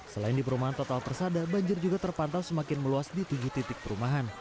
selain di perumahan total persada banjir juga terpantau semakin meluas di tujuh titik perumahan